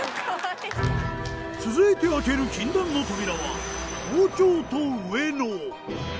続いて開ける禁断の扉は東京都・上野。